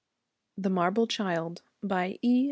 THE MARBLE CHILD BY E.